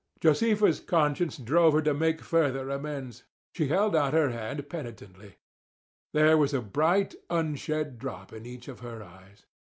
Josefa's conscience drove her to make further amends. She held out her hand penitently. There was a bright, unshed drop in each of her eyes.